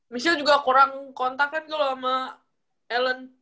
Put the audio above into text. michelle juga kurang kontak kan kalau sama ellen